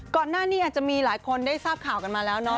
ก่อนหน้านี้อาจจะมีหลายคนได้ทราบข่าวกันมาแล้วเนาะ